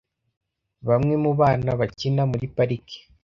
Bamwe mu bana bakina muri parike .